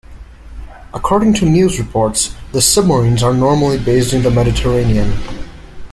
According to news reports the submarines are normally based in the Mediterranean.